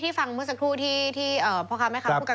ฟังเมื่อสักครู่ที่พ่อค้าแม่ค้าพูดกัน